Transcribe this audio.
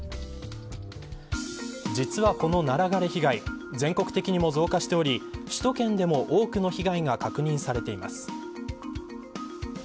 実は、このナラ枯れ被害全国的にも増加しており首都圏でも多くの被害が確認されています。